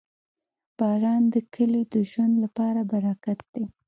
• باران د کلیو د ژوند لپاره برکت دی.